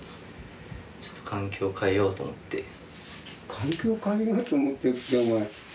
「環境を変えようと思って」ってお前。